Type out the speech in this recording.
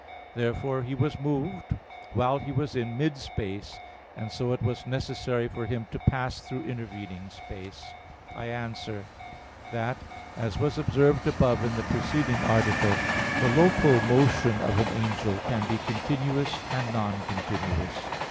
Therefore, he was moved while he was in mid space: and so it was necessary for him to pass through intervening space. I answer that, As was observed above in the preceding article, the local motion of an angel can be continuous, and non continuous.